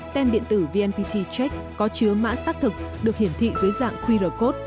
tem điện tử vnpt check có chứa mã xác thực được hiển thị dưới dạng qr code